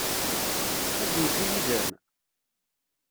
Ad d-yeddu yid-m?